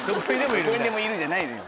「どこにでもいる」じゃないのよ